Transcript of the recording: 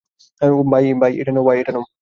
ভাই, এটা নাও।